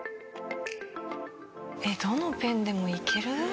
どのペンでもいける？